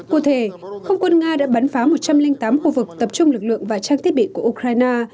cụ thể không quân nga đã bắn phá một trăm linh tám khu vực tập trung lực lượng và trang thiết bị của ukraine